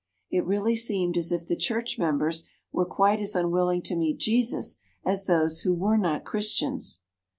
It really seemed as if the church members were quite as unwilling to meet Jesus as those who were not Christians.